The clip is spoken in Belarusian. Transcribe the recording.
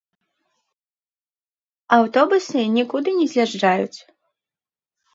Аўтобусы нікуды не з'язджаюць.